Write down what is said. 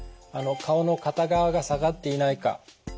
顔の片側が下がっていないか。